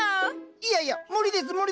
いやいや無理です無理です